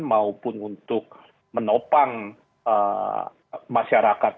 maupun untuk menopang masyarakat